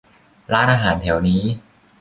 ร้านอาหารแถวนี้